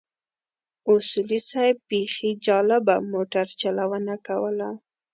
اصولي صیب بيخي جالبه موټر چلونه کوله.